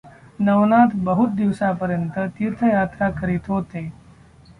नवनाथ बहुत दिवसपर्यंत तीर्थयात्रा करित होते.